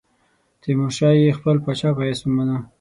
تیمورشاه یې خپل پاچا په حیث ومانه.